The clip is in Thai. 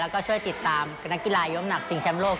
แล้วก็ช่วยติดตามก็ดงานกีฬายกน้ำหนักจิงช้ำโลก